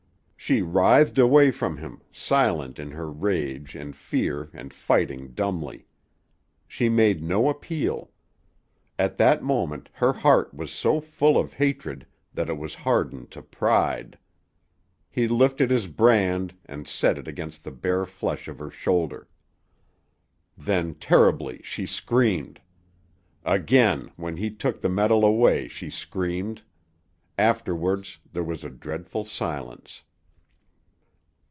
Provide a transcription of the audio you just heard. She writhed away from him, silent in her rage and fear and fighting dumbly. She made no appeal. At that moment her heart was so full of hatred that it was hardened to pride. He lifted his brand and set it against the bare flesh of her shoulder. Then terribly she screamed. Again, when he took the metal away, she screamed. Afterwards there was a dreadful silence.